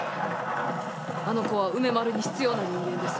あの子は梅丸に必要な人間です。